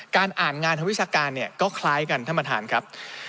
การอ่านงานทางวิชาการเนี่ยก็คล้ายกันท่านประธานครับ